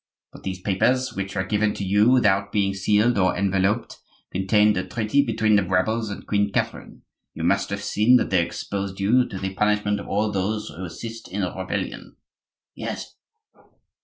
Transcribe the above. "But these papers, which were given to you without being sealed or enveloped, contained a treaty between the rebels and Queen Catherine. You must have seen that they exposed you to the punishment of all those who assist in a rebellion." "Yes."